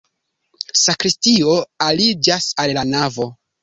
Sakristio aliĝas al la navo.